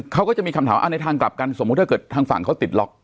เขาก็จะมีคำถามว่าในทางกลับกันสมมุติถ้าเกิดทางฝั่งเขาติดล็อก